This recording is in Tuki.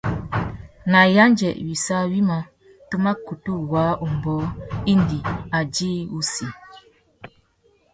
Nà yêndzê wissú wïmá tu mà kutu waā umbōh indi a djï wussi.